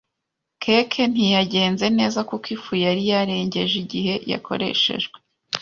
Cake ntiyagenze neza kuko ifu yari yarengeje igihe yakoreshejwe.